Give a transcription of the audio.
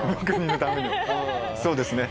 そうですね。